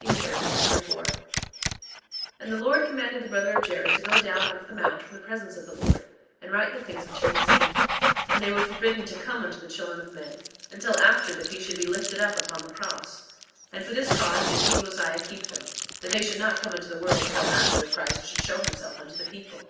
Ether Chapter 4 4:1 And the Lord commanded the brother of Jared to go down out of the mount from the presence of the Lord, and write the things which he had seen; and they were forbidden to come unto the children of men until after that he should be lifted up upon the cross; and for this cause did king Mosiah keep them, that they should not come unto the world until after Christ should show himself unto his people.